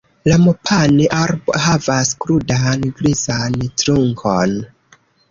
La mopane-arbo havas krudan, grizan trunkon.